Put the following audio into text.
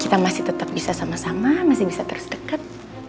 kita masih tetap bisa sama sama masih bisa terus dekat